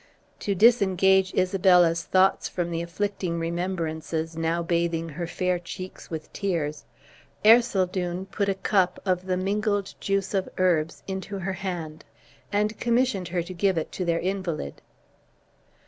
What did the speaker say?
To disengage Isabella's thoughts from the afflicting remembrances, now bathing her fair cheeks with tears, Ercildown put a cup, of the mingled juice of herbs, into her hand, and commissioned her to give it to their invalid.